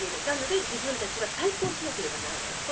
なので自分たちは対抗しなければならない。